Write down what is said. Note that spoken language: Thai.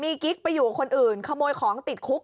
มีกิ๊กไปอยู่กับคนอื่นขโมยของติดคุก